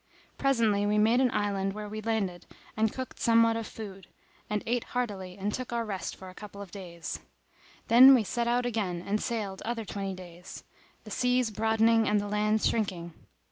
Presently we made an island where we landed and cooked somewhat of food, and ate heartily and took our rest for a couple of days. Then we set out again and sailed other twenty days, the seas broadening and the land shrinking.